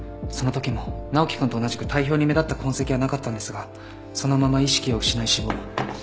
そのときも直樹君と同じく体表に目立った痕跡はなかったんですがそのまま意識を失い死亡。